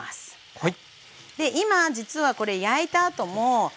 はい。